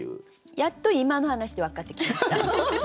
やっと今の話で分かってきました。